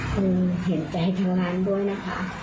คุณเห็นใจทางร้านด้วยนะคะ